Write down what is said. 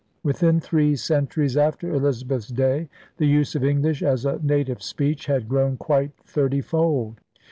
Within three centuries after Elizabeth's day the use of English as a native speech had grown quite thirtyfold.